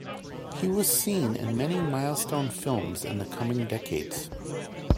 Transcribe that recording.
He was seen in many milestone films in the coming decades.